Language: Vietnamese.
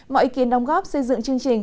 mọi ý kiến đóng góp xây dựng chương trình